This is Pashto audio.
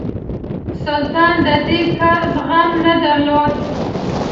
سلطان د دې کار زغم نه درلود.